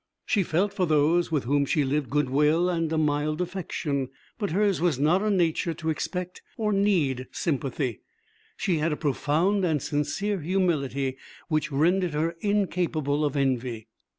She felt for those with whom she lived good will and a mild affection, but hers was not a nature to expect or need sympathy. She had a profound and sincere humility which rendered her incapable of envy.